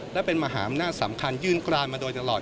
และเป็นมหาอำนาจสำคัญยื่นกรานมาโดยตลอด